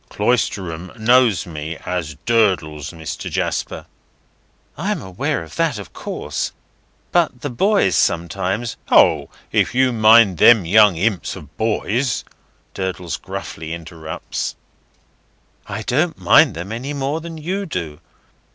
"Cloisterham knows me as Durdles, Mr. Jasper." "I am aware of that, of course. But the boys sometimes—" "O! if you mind them young imps of boys—" Durdles gruffly interrupts. "I don't mind them any more than you do.